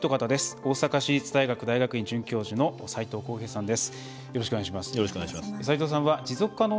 大阪市立大学大学院准教授の斎藤幸平さんです。